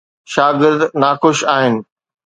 شاگرد ناخوش آهن.